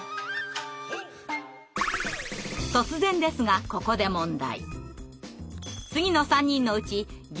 突然ですがここで問題。